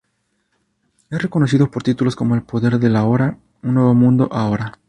Es reconocido por títulos como "El poder del Ahora" y "Un nuevo mundo, ahora".